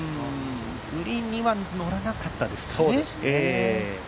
グリーンにはのらなかったですかね。